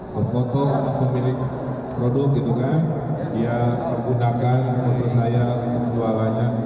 memfoto atau memiliki produk gitu kan dia menggunakan foto saya untuk jualannya